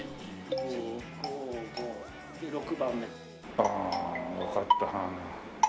ああわかった。